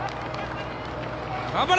頑張れ！